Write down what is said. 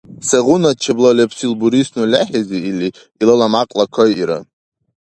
— Сегъуна чебла лебсил бурисну лехӀизи, — или, илала мякьла кайира.